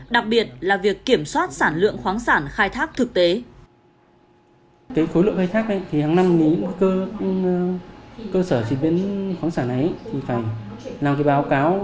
đặc biệt là việc kiểm soát sản lượng của các cơ quan nhà nước